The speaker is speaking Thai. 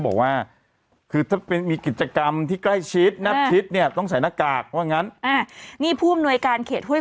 แล้วป๋องก็จะเล่าอะทุมาป๋องก็จะเล่าอธิบาย